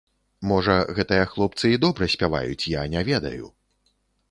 Можа гэтыя хлопцы і добра спяваюць, я не ведаю.